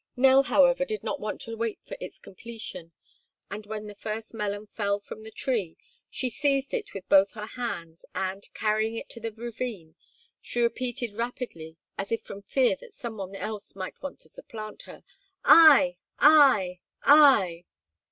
Nell, however, did not want to wait for its completion and when the first melon fell from the tree she seized it with both her hands and, carrying it to the ravine, she repeated rapidly as if from fear that some one else might want to supplant her: "I! I! I!"